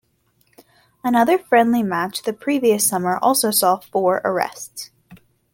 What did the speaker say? Another friendly match the previous summer also saw four arrests.